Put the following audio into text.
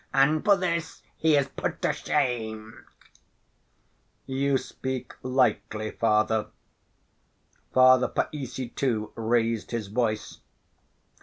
And for this he is put to shame...." "You speak lightly, Father." Father Païssy, too, raised his voice.